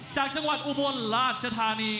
จากจังหวัดอุบลราชธานี